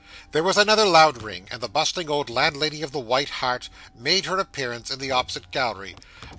There was another loud ring; and the bustling old landlady of the White Hart made her appearance in the opposite gallery.